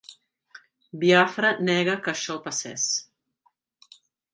Biafra nega que això passés.